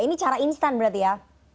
ini cara instan berarti ya